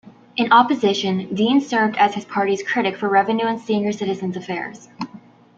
In opposition, Dean served as his party's critic for Revenue and Senior Citizen's Affairs.